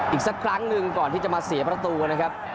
อีกสักครั้งหนึ่งก่อนที่จะมาเสียประตูนะครับ